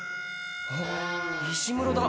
あっ石室だ。